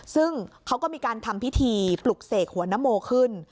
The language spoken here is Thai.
ซึ่งเขาก็มีการทำพิธีปลุกเสกหัวนโมขึ้น